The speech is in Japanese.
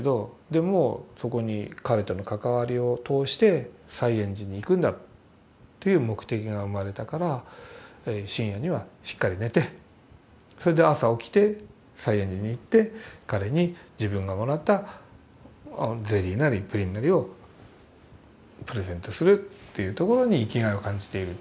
でもそこに彼との関わりを通して西圓寺に行くんだという目的が生まれたから深夜にはしっかり寝てそれで朝起きて西圓寺に行って彼に自分がもらったゼリーなりプリンなりをプレゼントするというところに生きがいを感じている。